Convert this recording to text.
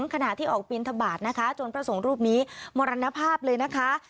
ขณะที่ออกบินทบาทนะคะจนพระสงฆ์รูปนี้มรณภาพเลยนะคะ